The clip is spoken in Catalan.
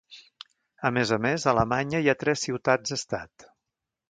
A més a més, a Alemanya hi ha tres ciutats-estat.